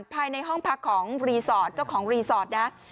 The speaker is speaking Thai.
ภายในห้องพักของจ้าของรีสอร์ทนะ